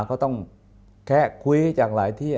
เขาต้องแค่คุยจากหลายที่